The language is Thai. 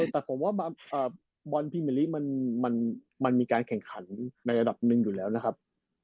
แต่ผมว่าบอลพรีเมอร์ลีมันมีการแข่งขันในระดับหนึ่งอยู่แล้วนะครับ